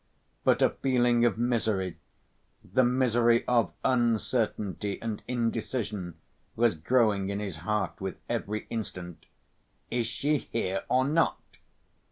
But a feeling of misery, the misery of uncertainty and indecision, was growing in his heart with every instant. "Is she here or not?"